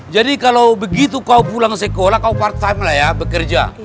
jadi kalau begitu kau pulang sekolah kau part time lah ya bekerja